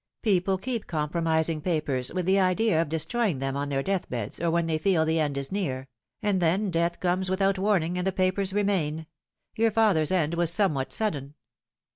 People keep com promising papers with the idea of destroying them on their deathbeds, or when they feel the end is near ; and then death comes without warning, and the papers remain. Your father's end was somewhat sudden."